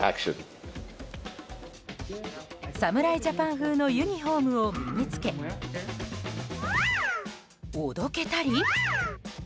侍ジャパン風のユニホームを身に着けおどけたり。